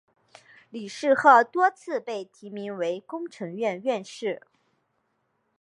李世鹤多次被提名为工程院院士。